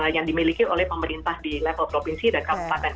yang dimiliki oleh pemerintah di level provinsi dan kabupaten